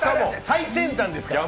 最先端ですから。